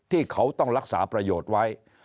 ที่เขาต้องรักษาประโยชน์ไว้